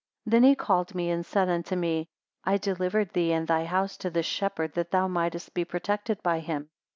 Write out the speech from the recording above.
2 Then he called me and said unto me; I delivered thee and thy house to this shepherd, that thou mightest be protected by him.